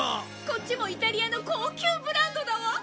こっちもイタリアの高級ブランドだわ！